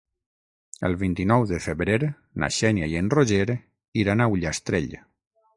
El vint-i-nou de febrer na Xènia i en Roger iran a Ullastrell.